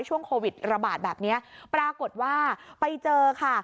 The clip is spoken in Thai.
ช่วงโควิดระบาดแบบนี้ปรากฏว่าไปเจอค่ะ